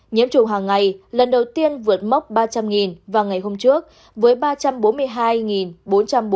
nhiễm chủng hàng ngày lần đầu tiên vượt mốc ba trăm linh và ngày hôm trước với ba trăm bốn mươi hai bốn trăm bốn mươi sáu trường hợp